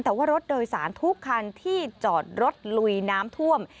แต่ว่ารถโดยสารทุกคันที่จอดรถลุยน้ำท่วม